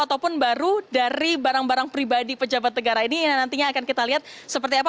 ataupun baru dari barang barang pribadi pejabat negara ini yang nantinya akan kita lihat seperti apa